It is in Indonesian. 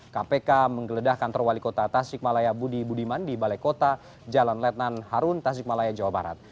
kpk menggeledah kantor wali kota tasik malaya budi budiman di balai kota jalan letnan harun tasik malaya jawa barat